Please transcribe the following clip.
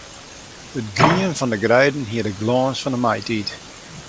It grien fan 'e greiden hie de glâns fan 'e maitiid.